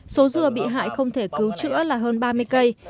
số dừa bị hại không thể cứu chữa là hơn ba mươi cây